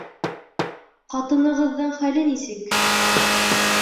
Ҡатынығыҙҙың хәле нисек?